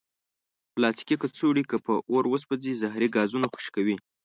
پلاستيکي کڅوړې که په اور وسوځي، زهري ګازونه خوشې کوي.